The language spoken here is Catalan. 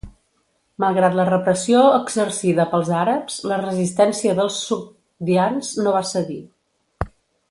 Malgrat la repressió exercida pels àrabs, la resistència dels sogdians no va cedir.